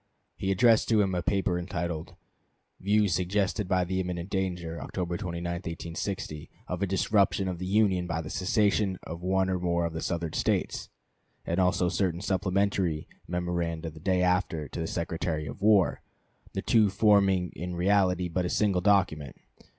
He addressed to him a paper entitled "Views suggested by the imminent danger (October 29, 1860) of a disruption of the Union by the secession of one or more of the Southern States"; and also certain supplementary memoranda the day after, to the Secretary of War, the two forming in reality but a single document.